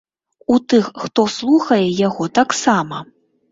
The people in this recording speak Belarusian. У тых, хто слухае яго, таксама.